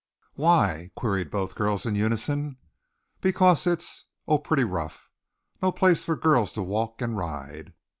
"Why?" queried both girls in unison. "Because it's oh, pretty rough no place for girls to walk and ride."